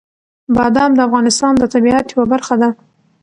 بادام د افغانستان د طبیعت یوه برخه ده.